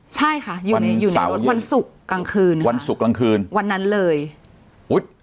ใช่ค่ะอยู่ในอยู่ในวันศุกร์กลางคืนวันศุกร์กลางคืนวันนั้นเลยอุ้ย